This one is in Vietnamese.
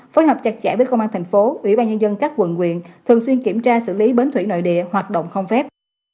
phối hợp chặt chẽ với công an tp ủy ban nhân dân các quận quyền thường xuyên kiểm tra xử lý bến thủy nội địa hoạt động không phép